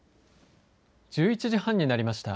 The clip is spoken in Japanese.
１１時半になりました。